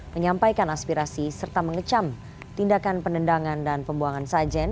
menyampaikan aspirasi serta mengecam tindakan penendangan dan pembuangan sajen